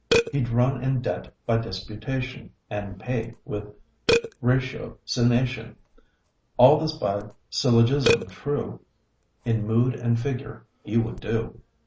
He'd run in debt by disputation, And pay with ratiocination. All this by syllogism true, In mood and figure, he would do.